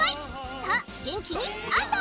さあげんきにスタート！